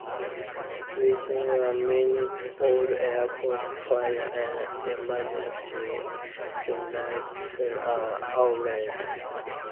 Within a minute, all airport fire and emergency units are alerted.